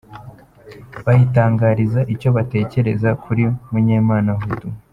Bayitangariza icyo batekereza kuri Munyemana Hudu.